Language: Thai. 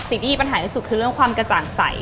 สิ่งที่มีปัญหาที่สุดคือเรื่องความกระจ่างใส